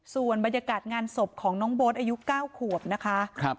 ส่วนบรรยากาศงานศพของน้องโบ๊ทอายุ๙ขวบนะคะ